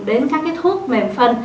đến các cái thuốc mềm phân